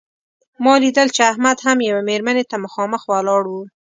ما لیدل چې احمد هم یوې مېرمنې ته مخامخ ولاړ و.